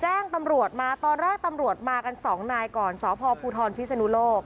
แจ้งตำรวจมาตอนแรกตำรวจมากันสองนายก่อนสพภูทรพิศนุโลก